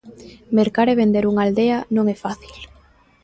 Mercar e vender unha aldea non é fácil.